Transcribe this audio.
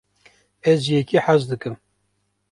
ez yekî hez dikim